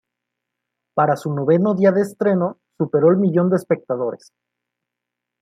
Para su noveno día de estreno superó el millón de espectadores.